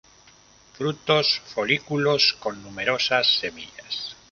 Frutos, folículos con numerosas semillas.